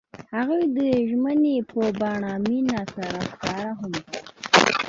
هغوی د ژمنې په بڼه مینه سره ښکاره هم کړه.